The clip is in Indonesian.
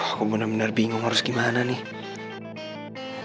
aku benar benar bingung harus gimana nih